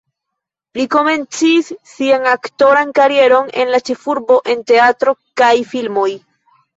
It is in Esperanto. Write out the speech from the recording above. Li komencis sian aktoran karieron en la ĉefurbo en teatroj kaj filmoj.